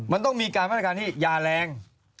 มันต้องมีการมาตรการที่ยาแรง